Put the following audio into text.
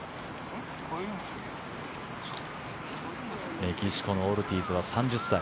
メキシコのオルティーズは３０歳。